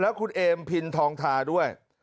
แล้วคุณเอ็มภินธ์ทองทาด้วย